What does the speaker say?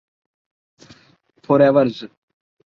فیروئیز